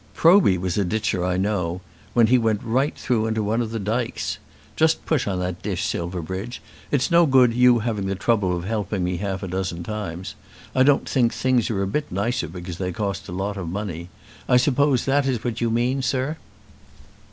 "Proby was a ditcher I know, when he went right through into one of the dykes. Just push on that dish, Silverbridge. It's no good you having the trouble of helping me half a dozen times. I don't think things are a bit the nicer because they cost a lot of money. I suppose that is what you mean, sir."